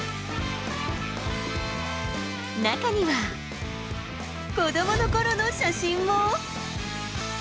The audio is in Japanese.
中には、子どものころの写真も。